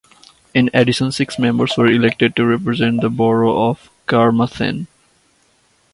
In addition six members were elected to represent the borough of Carmarthen.